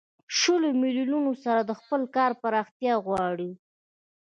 شلو میلیونو سره د خپل کار پراختیا غواړي